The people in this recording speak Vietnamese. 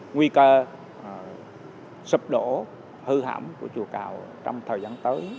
nguy cơ sụp đổ hư hẳm của chùa cầu trong thời gian tới